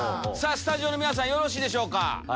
スタジオの皆さんよろしいでしょうか？